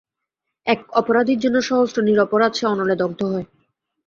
এক অপরাধীর জন্য সহস্র নিরপরাধ সে অনলে দগ্ধ হয়।